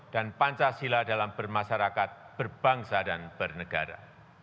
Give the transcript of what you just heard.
dan pancasila dalam bermasyarakat berbangsa dan bernegara